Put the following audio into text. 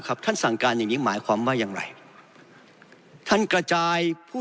ครับท่านสั่งการแบบนี้หมายความว่ายังไรท่านกระจ่ายผู้